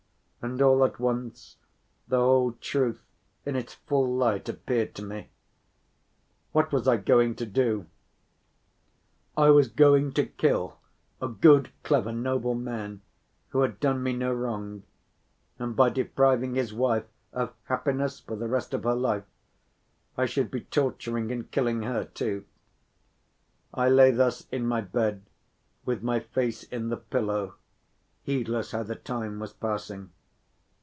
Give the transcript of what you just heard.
And all at once the whole truth in its full light appeared to me; what was I going to do? I was going to kill a good, clever, noble man, who had done me no wrong, and by depriving his wife of happiness for the rest of her life, I should be torturing and killing her too. I lay thus in my bed with my face in the pillow, heedless how the time was passing.